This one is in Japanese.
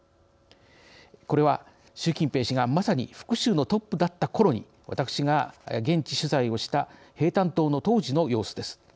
これは、習近平氏がまさに福州のトップだったころに私が現地取材をした平潭島の当時の様子です。